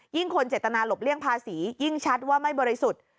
คนเจตนาหลบเลี่ยงภาษียิ่งชัดว่าไม่บริสุทธิ์